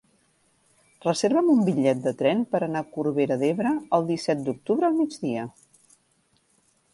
Reserva'm un bitllet de tren per anar a Corbera d'Ebre el disset d'octubre al migdia.